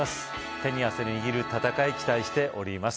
手に汗握る戦い期待しております